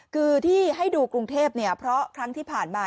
คือที่ให้ดูกรุงเทพเนี่ยเพราะครั้งที่ผ่านมา